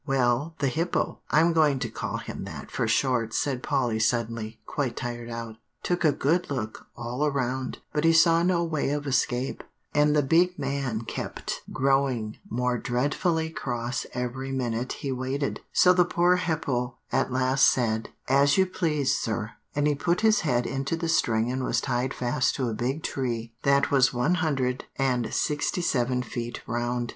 Well the 'hippo,' I'm going to call him that for short," said Polly suddenly, quite tired out, "took a good look all around, but he saw no way of escape; and the big man kept growing more dreadfully cross every minute he waited, so the poor hippo at last said, 'As you please, sir,' and he put his head into the string and was tied fast to a big tree that was one hundred and sixty seven feet round.